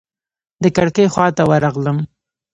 د کړکۍ خواته ورغلم.